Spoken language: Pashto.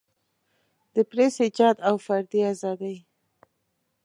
د پریس ایجاد او فردي ازادۍ.